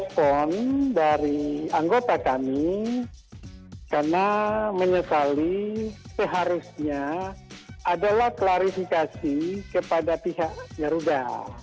nah terkait dengan laporan dari anggota kami karena menyesali seharusnya adalah klarifikasi kepada pihak garuda